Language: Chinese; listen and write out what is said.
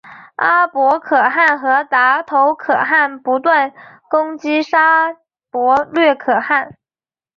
阿波可汗和达头可汗不断攻击沙钵略可汗。